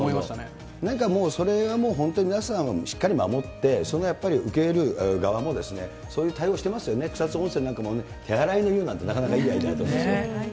なんかもうそれを本当に皆さん、しっかり守って、やっぱり受け入れる側もそういう対応してますよね、草津温泉なんかもね、手洗乃湯なんて、なかなかいいアイデアですよね。